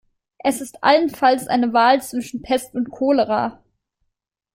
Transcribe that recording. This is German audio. Es ist allenfalls eine Wahl zwischen Pest und Cholera.